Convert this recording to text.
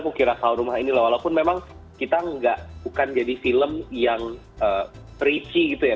kukira kalau rumah ini walaupun memang kita enggak bukan jadi film yang preachy gitu ya